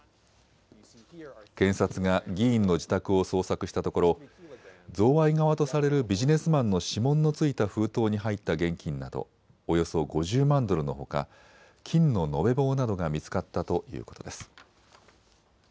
検察が議員の自宅を捜索したところ贈賄側とされるビジネスマンの指紋のついた封筒に入った現金などおよそ５０万ドルのほか金の延べ棒などが見つかったということです。